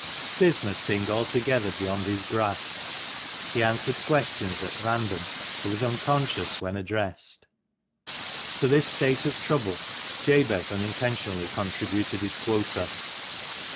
Business seemed altogether beyond his grasp ; he answered questions at random, or was unconscious when addressed. To this state of trouble Jaber unintentionally contributed his quota.